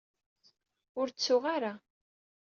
Ur ttuɣ ara.